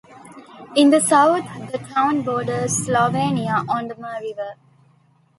In the south the town borders Slovenia on the Mur River.